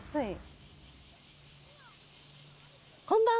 こんばんは。